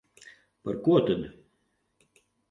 Par ko tad?